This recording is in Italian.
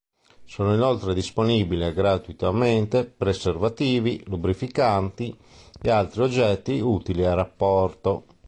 Sono inoltre disponibili gratuitamente preservativi, lubrificanti e altri oggetti utili al rapporto.